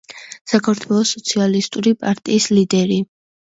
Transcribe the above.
საქართველოს სოციალისტური პარტიის ლიდერი.